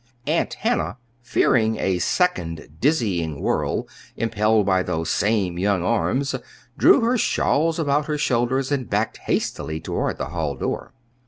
Aunt Hannah, fearing a second dizzying whirl impelled by those same young arms, drew her shawls about her shoulders and backed hastily toward the hall door.